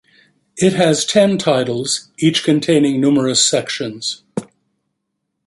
It has ten titles, each containing numerous sections.